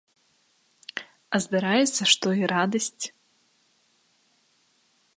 А здараецца, што і радасць.